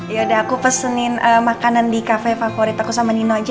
yaudah aku pesenin makanan di kafe favorit aku sama nino aja